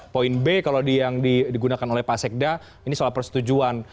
poin b kalau yang digunakan oleh pak sekda ini soal persetujuan